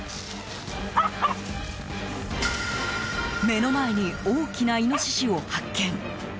目の前に大きなイノシシを発見。